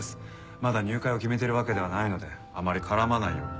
まだ入会を決めているわけではないのであまり絡まないように。